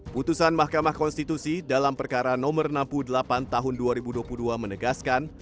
putusan mahkamah konstitusi dalam perkara no enam puluh delapan tahun dua ribu dua puluh dua menegaskan